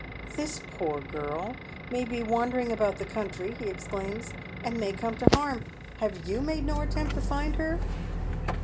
" This poor girl may he wandering about the country," he exclaims, " and may come to harm. Have you made no attempt to find her?"